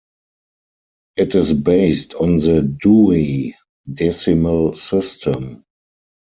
It is based on the Dewey Decimal System.